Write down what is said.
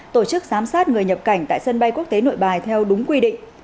tổ chức giám sát người nhập cảnh tại sân bay quốc tế nội bài theo đúng quy định